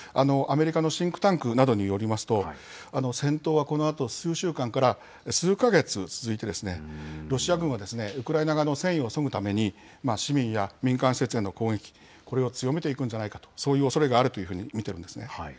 アメリカのシンクタンクなどによりますと、戦闘はこのあと数週間から数か月続いて、ロシア軍はウクライナ側の戦意をそぐために、市民や民間施設への攻撃、これを強めていくんじゃないかと、そういうおそれがあるというふうに見ているんですね。